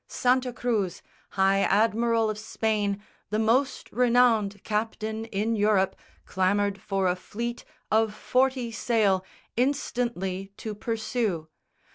Santa Cruz, High Admiral of Spain, the most renowned Captain in Europe, clamoured for a fleet Of forty sail instantly to pursue.